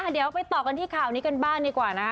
เดี๋ยวไปต่อกันที่ข่าวนี้กันบ้างดีกว่านะ